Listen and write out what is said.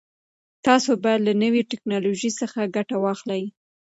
تاسو باید له نوي ټکنالوژۍ څخه ګټه واخلئ.